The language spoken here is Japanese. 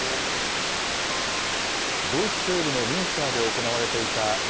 ドイツ西部のミュンスターで行われていたＧ７・